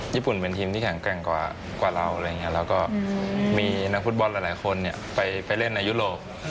ญี่ปุ่นเป็นทีมที่แข็งแกร่งกว่าเราอะไรอย่างนี้แล้วก็มีนักฟุตบอลหลายคนไปเล่นในยุโรป